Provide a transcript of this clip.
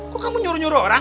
kok kamu nyuruh nyuruh orang